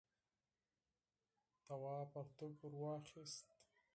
تواب پرتوگ ور واخیست.